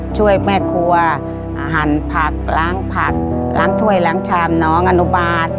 ช่วยแม่ครัวอาหารผักล้างผักล้างถ้วยล้างชามน้องอนุบาล